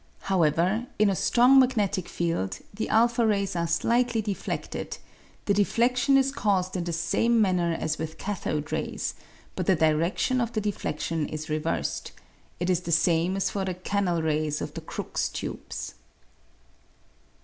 However, in a strong magnetic field, the a rays are slightly defledted ; the deflec tion is caused in the same manner as with cathode rays, but the diredtion of the defledtion is reversed ; it is the same as for the canal rays of the Crookes tubes.